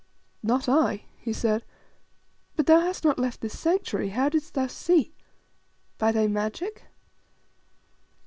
"Not I," he said. "But thou hast not left this Sanctuary; how didst thou see? By thy magic?"